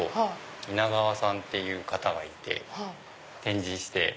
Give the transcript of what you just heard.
稲川さんっていう方がいて展示して。